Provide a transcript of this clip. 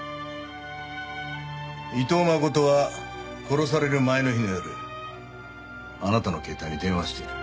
伊藤真琴は殺される前の日の夜あなたの携帯に電話してる。